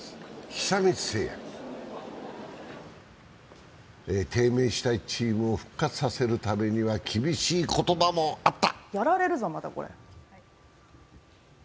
久光製薬。低迷したチームを復活させるためには厳しい言葉もあった。